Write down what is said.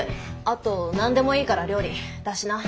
あと何でもいいから料理出しな。